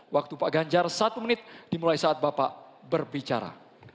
waktu pak ganjar satu menit dimulai saat bapak berbicara